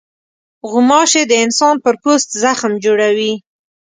غوماشې د انسان پر پوست زخم جوړوي.